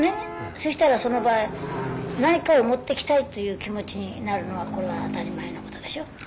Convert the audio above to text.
そしたらその場合何かを持っていきたいという気持ちになるのはこれは当たり前のことでしょ。